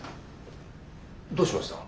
どうしました？